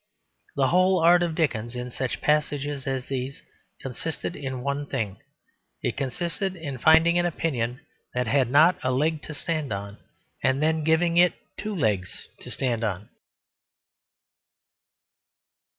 The whole art of Dickens in such passages as these consisted in one thing. It consisted in finding an opinion that had not a leg to stand on, and then giving it two legs to stand on.